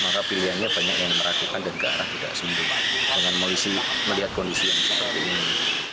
maka pilihannya banyak yang meragukan dan ke arah tidak sembuh dengan melihat kondisi yang seperti ini